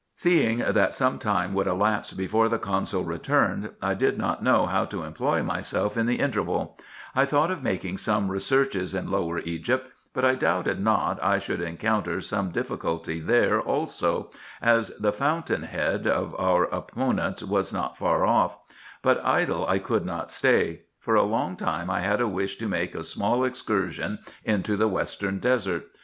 Seeing that some time would elapse before the consul returned, I did not know how to employ myself in the interval : I thought of making some researches in Lower Egypt, but I doubted not I should encounter some difficulty there also, as the fountain head of our opponents was not far off; but idle I could not stay. For a long time I had a wish to make a small excursion into the western desert.